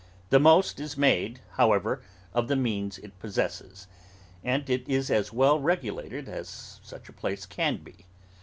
The most is made, however, of the means it possesses, and it is as well regulated as such a place can be.